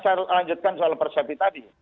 saya harus lanjutkan soal persepsi tadi